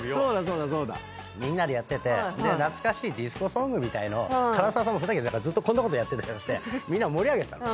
懐かしいディスコソングみたいのを唐沢さんもふざけてずっとこんなことやったりしてみんなを盛り上げてたの。